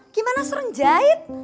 gimana serang jahit